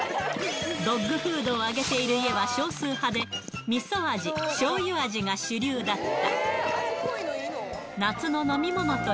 ドッグフードをあげている家は少数派で、みそ味、しょうゆ味が主流だった。